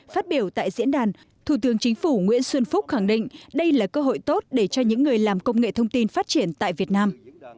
phát biểu tại diễn đàn thủ tướng chính phủ nguyễn xuân phúc khẳng định đây là cơ hội tốt để cho những người làm công nghệ thông tin phát triển tại việt nam